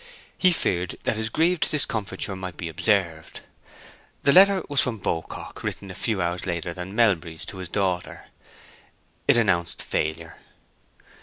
He feared that his grieved discomfiture might be observed. The letter was from Beaucock, written a few hours later than Melbury's to his daughter. It announced failure.